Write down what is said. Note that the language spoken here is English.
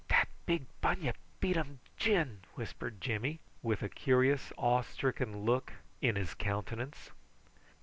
"Dat big bunyip beat um gin," whispered Jimmy, with a curious awe stricken look in his countenance.